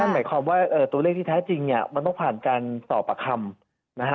หมายความว่าตัวเลขที่แท้จริงเนี่ยมันต้องผ่านการสอบประคำนะฮะ